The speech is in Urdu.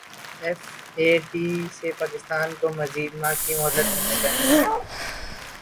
ایف اے ٹی ایف سے پاکستان کو مزید ماہ کی مہلت ملنے کا امکان